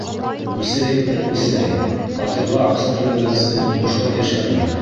Күсәйек тә күсәйек: «Фатирға аҡса түләгәнсе, бушлай йәшәрбеҙ!»